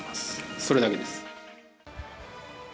それだけです。